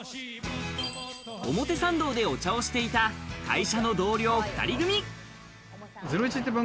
表参道でお茶をしていた会社の同僚２人組。